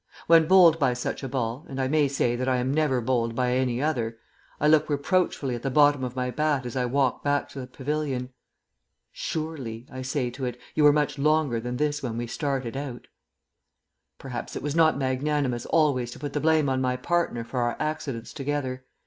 When bowled by such a ball and I may say that I am never bowled by any other I look reproachfully at the bottom of my bat as I walk back to the pavilion. "Surely," I say to it, "you were much longer than this when we started out?" Perhaps it was not magnanimous always to put the blame on my partner for our accidents together.